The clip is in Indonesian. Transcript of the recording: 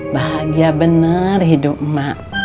bahagia bener hidup emak